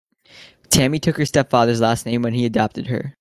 Tammy took her stepfather's last name when he adopted her.